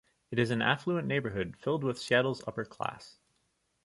It is an affluent neighborhood, filled with Seattle's upper class.